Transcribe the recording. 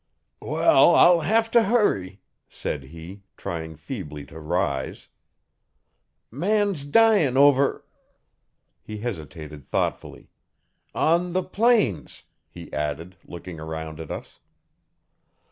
'Well, I'll have t' hurry,' said he, trying feebly to rise. 'Man's dyin' over ' he hesitated thoughtfully, 'on the Plains,' he added, looking around at us.